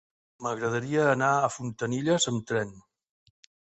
M'agradaria anar a Fontanilles amb tren.